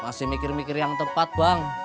masih mikir mikir yang tepat bang